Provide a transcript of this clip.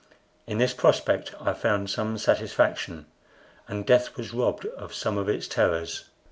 In this prospect I found some satisfaction, and death was robbed of some of its terrors.